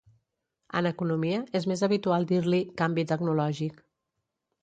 En economia és més habitual dir-li "canvi tecnològic".